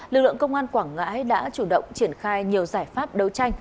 lực lượng công an quảng ngãi đã chủ động triển khai nhiều giải pháp đấu tranh